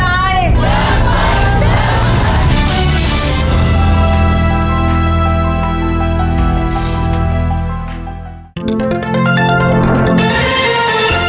เท่าไหร่เท่าไหร่